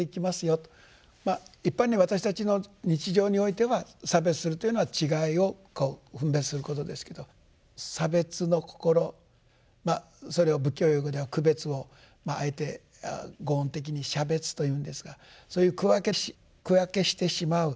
一般に私たちの日常においては差別するというのは違いを分別することですけど差別の心それを仏教用語では区別をあえて呉音的に「シャベツ」というんですがそういう区分けしてしまう。